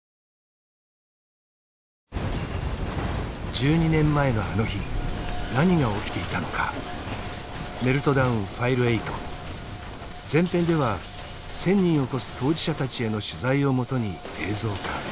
１２年前のあの日何が起きていたのか「メルトダウンＦｉｌｅ８前編」では１，０００人を超す当事者たちへの取材をもとに映像化。